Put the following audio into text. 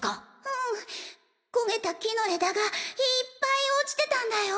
うん焦げた木の枝がいっぱい落ちてたんだよ！